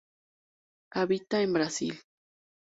Habita en Brasil.